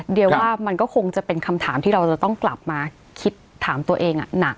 เดี๋ยวว่ามันก็คงจะเป็นคำถามที่เราจะต้องกลับมาคิดถามตัวเองหนัก